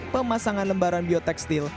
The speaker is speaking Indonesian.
pemasangan lembaran biotekstil